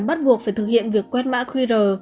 bắt buộc phải thực hiện việc quét mã qr